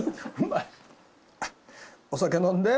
お酒飲んで。